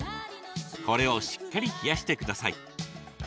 これをしっかり冷やしてください。